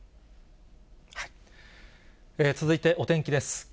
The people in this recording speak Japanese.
続いてお天気です。